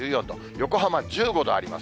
横浜１５度あります。